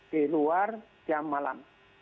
di luar jam malam